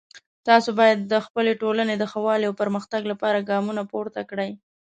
تاسو باید د خپلې ټولنې د ښه والی او پرمختګ لپاره ګامونه پورته کړئ